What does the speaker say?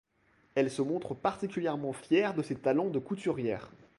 Elle se montre particulièrement fière de ses talents de couturière.